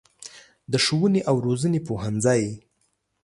د ښوونې او روزنې پوهنځی